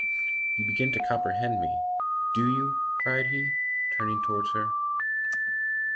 “You begin to comprehend me, do you?” cried he, turning towards her.